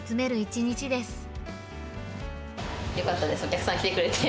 よかったです、お客さん来てくれて。